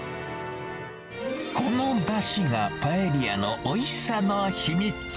このだしがパエリアのおいしさの秘密。